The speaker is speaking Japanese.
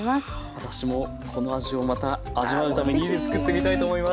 私もこの味をまた味わうために家で作ってみたいと思います。